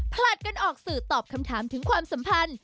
ผลัดกันออกสื่อตอบคำถามถึงความสัมพันธ์